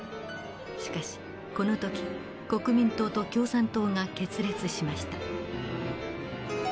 しかしこの時国民党と共産党が決裂しました。